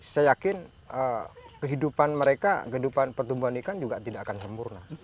saya yakin kehidupan mereka kehidupan pertumbuhan ikan juga tidak akan sempurna